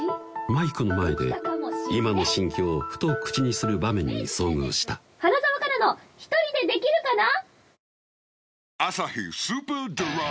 マイクの前で今の心境をふと口にする場面に遭遇した「花澤香菜のひとりでできるかな？」